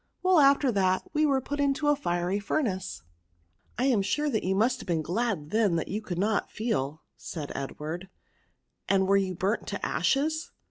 Well, after that, we were put into a fiery furnace.*' " I am sure you must have been glad then that you could not feel," said Edward; ", and were you burnt to ashes?"